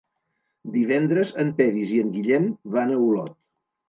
Divendres en Peris i en Guillem van a Olot.